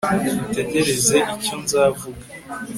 utegereze icyo nzavuga